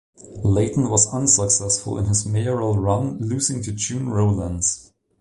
Layton was unsuccessful in his mayoral run losing to June Rowlands.